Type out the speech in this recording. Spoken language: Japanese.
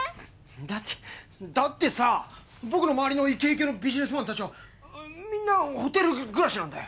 だってだってさぁ僕の周りのイケイケのビジネスマンたちはみんなホテル暮らしなんだよ！